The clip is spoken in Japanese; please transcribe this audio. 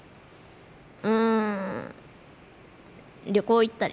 うん旅行行ったり。